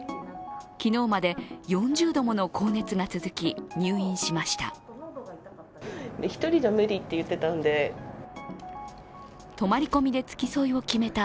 昨日まで４０度もの高熱が続き入院しました。